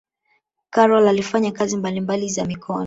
karol alifanya kazi mbalimbali za mikono